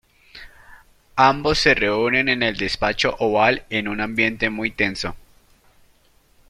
Ambos se reúnen en el Despacho Oval en un ambiente muy tenso.